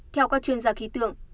theo các chuyên gia khí tượng